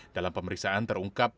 dalam pemeriksaan terungkap